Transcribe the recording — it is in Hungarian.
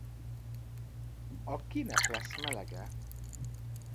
A Kinek lesz melege?